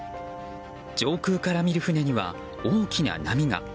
上空から見る船には大きな波が。